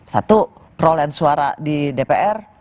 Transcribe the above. satu perolehan suara di dpr